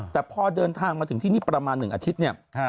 แต่พอเดินทางมาถึงที่นี่ประมาณ๑อาทิตย์เนี่ย